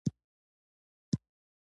• غونډۍ د ځنګلونو د پراخېدو لامل کېږي.